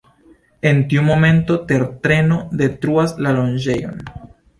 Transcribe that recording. En tiu momento, tertremo detruas la loĝejon.